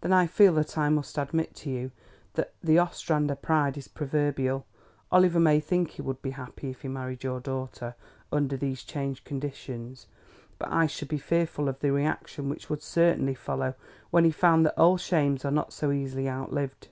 "Then I feel that I must admit to you that the Ostrander pride is proverbial. Oliver may think he would be happy if he married your daughter under these changed conditions; but I should be fearful of the reaction which would certainly follow when he found that old shames are not so easily outlived.